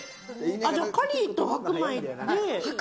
じゃあ、カリーと白米で。